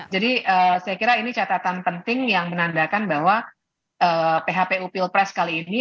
jadi saya kira ini catatan penting yang menandakan bahwa php util pres kali ini